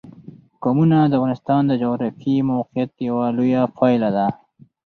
قومونه د افغانستان د جغرافیایي موقیعت یوه لویه پایله ده.